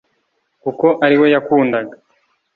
kuko ari we yakundaga